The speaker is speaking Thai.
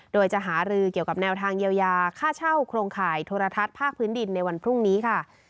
โดยจะหารือเกี่ยวกับแนวทางเยียวยาค่าเช่าโครงข่ายโทรทัศน์ภาคพื้นดินในวันพรุ่งนี้ค่ะ